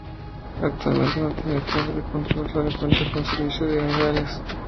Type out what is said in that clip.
Actualmente no tiene torre de control, solo cuenta con servicio de hangares.